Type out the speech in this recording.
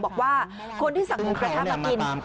บอกว่าคนที่สั่งหมูกระทะมากิน